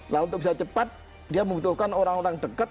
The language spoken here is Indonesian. nah untuk bisa cepat dia membutuhkan orang orang dekat